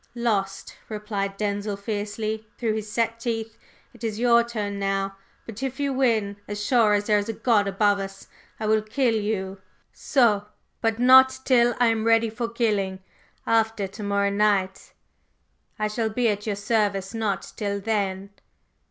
"Lost!" replied Denzil, fiercely, through his set teeth. "It is your turn now! But, if you win, as sure as there is a God above us, I will kill you!" "Soit! But not till I am ready for killing! After to morrow night I shall be at your service, not till then!"